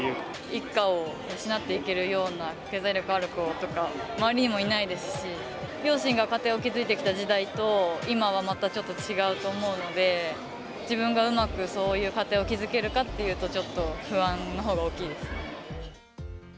一家を養っていけるような財力がある人、周りにもいないですし両親が家庭を築いていた時代と今またちょっと違うと思うので、自分がうまくそういう家庭を築けるかっていうと不安のほうが大きいです。